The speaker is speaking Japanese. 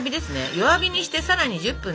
弱火にしてさらに１０分ですね。